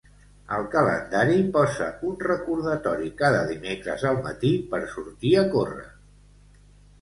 Al calendari posa un recordatori cada dimecres al matí per sortir a córrer.